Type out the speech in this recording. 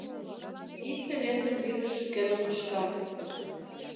Икте-весым вӱдыш шӱкедыл кышкат.